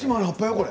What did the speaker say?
これ。